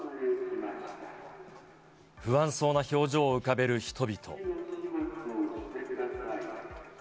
不安そうな表情を浮かべる人々。